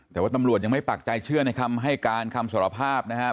แต่ว่าตำรวจยังไม่ปากใจเชื่อให้คำสารพาพนะครับ